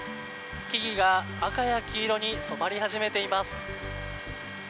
木々が赤や黄色に染まり始めています。